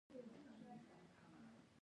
بې رغبتي بد دی.